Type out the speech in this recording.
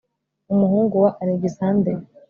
umuhungu wa alegisanderi